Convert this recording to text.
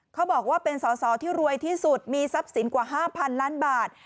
เขาบอกว่าเป็นสอสอที่รวยที่สุดมีทรัพย์สินกว่า๕๐๐๐ล้านบาท